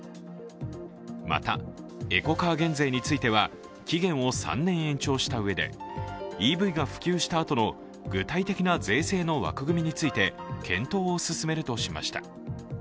また、エコカー減税については期限を３年延長したうえでＥＶが普及したあとの具体的な税制の枠組みについて検討を進めるとしました。